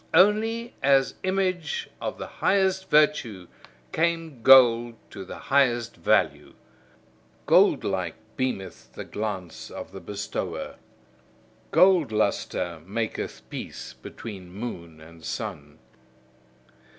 Only as image of the highest virtue came gold to the highest value. Goldlike, beameth the glance of the bestower. Gold lustre maketh peace between moon and sun.